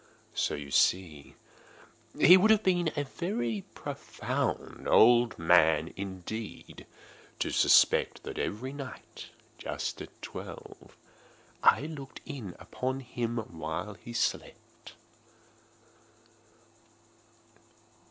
So you see he would have been a very profound old man, indeed, to suspect that every night, just at twelve, I looked in upon him while he slept.